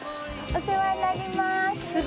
お世話になります。